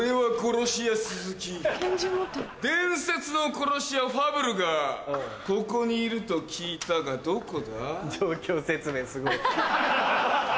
伝説の殺し屋ファブルがここにいると聞いたがどこだ？